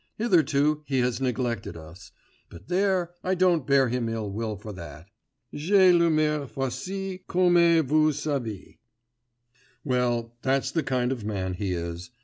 Hitherto he has neglected us ... but there, I don't bear him ill will for that. J'ai l'humeur facile, comme vous savez. Well, that's the kind of man he is.